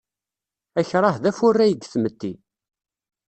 Akṛah d afurray deg tmetti.